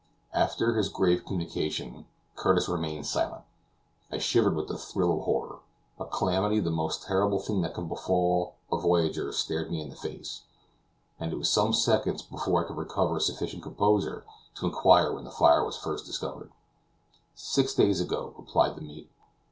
After his grave communication, Curtis remained silent. I shivered with a thrill of horror; a calamity the most terrible that can befall a voyager stared me in the face, and it was some seconds before I could recover sufficient composure to inquire when the fire was first discovered. "Six days ago," replied the mate.